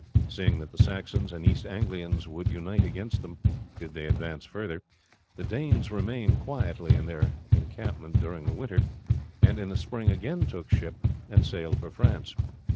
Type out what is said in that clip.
Seeing that the Saxons and East Anglians would unite against them did they advance further, the Danes remained quietly in their encampment during the winter, and in the spring again took ship and sailed for France.